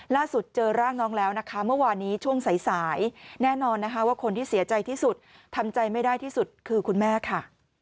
เจอร่างน้องแล้วนะคะเมื่อวานนี้ช่วงสายแน่นอนนะคะว่าคนที่เสียใจที่สุดทำใจไม่ได้ที่สุดคือคุณแม่ค่ะ